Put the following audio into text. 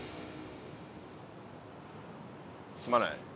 すまない。